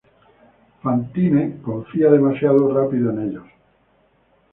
Fantine 'confía' demasiado rápido en ellos.